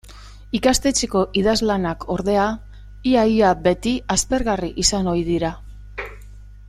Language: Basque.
Ikastetxeko idazlanak, ordea, ia-ia beti aspergarri izan ohi dira.